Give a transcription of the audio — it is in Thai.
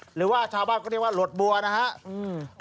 หรือว่าชาวบ้านก็เรียกว่าหลดบัวนะครับ